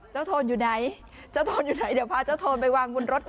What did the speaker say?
เจ้าโทนอยู่ไหนเดี๋ยวพาเจ้าโทนไปวางบนรถหน่อย